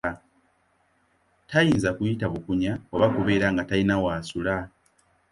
Tayinza kuyita bukunya oba okubeerawo nga talina w'asula.